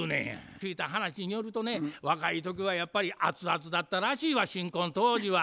聞いた話によるとね若い時はやっぱりアツアツだったらしいわ新婚当時は。